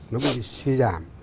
nó bị suy giảm